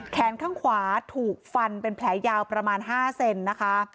แขนข้างขวาถูกฟันเป็นแผลยาวประมาณ๕เซนนะคะ